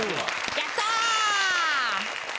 やったー！